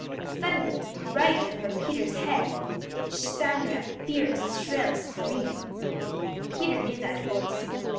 Suddenly, right over Peter's head, sounded a fierce, shrill scream. Peter knew that voice.